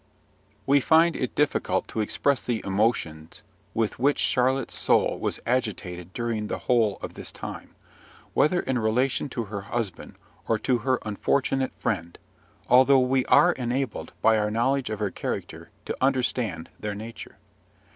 We find it difficult to express the emotions with which Charlotte's soul was agitated during the whole of this time, whether in relation to her husband or to her unfortunate friend; although we are enabled, by our knowledge of her character, to understand their nature.